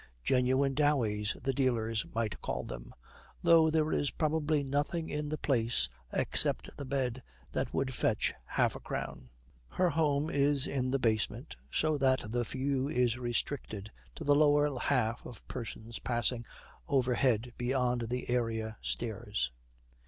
Genuine Doweys, the dealers might call them, though there is probably nothing in the place except the bed that would fetch half a crown. Her home is in the basement, so that the view is restricted to the lower half of persons passing overhead beyond the area stairs.